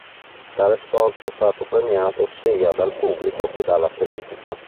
Tale sforzo è stato premiato sia dal pubblico che dalla critica.